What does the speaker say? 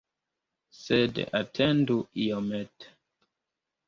Sed atendu iomete!